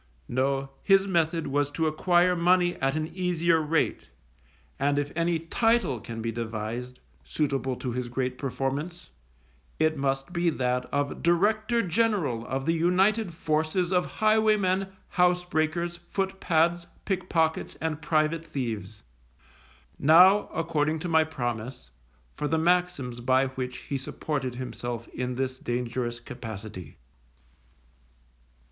No, his method was to acquire money at an easier rate, and if any title can be devised suitable to his great performance, it must be that of Director General of the united forces of highwaymen, housebreakers, footpads, pickpockets, and private thieves. Now, according to my promise, for the maxims by which he supported himself in this dangerous capacity.